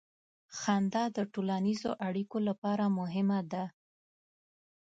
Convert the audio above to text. • خندا د ټولنیزو اړیکو لپاره مهمه ده.